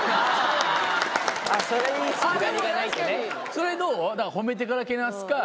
それどう？